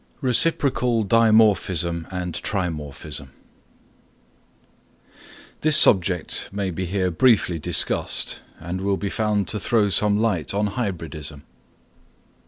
Reciprocal Dimorphism and Trimorphism. This subject may be here briefly discussed, and will be found to throw some light on hybridism.